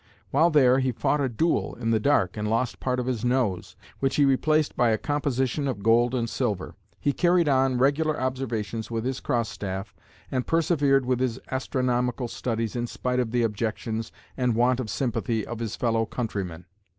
While there he fought a duel in the dark and lost part of his nose, which he replaced by a composition of gold and silver. He carried on regular observations with his cross staff and persevered with his astronomical studies in spite of the objections and want of sympathy of his fellow countrymen.